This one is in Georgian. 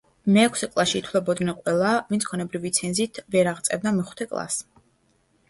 მეექვსე კლასში ითვლებოდნენ ყველა, ვინც ქონებრივი ცენზით ვერ აღწევდა მეხუთე კლასს.